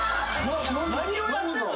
何をやってんの？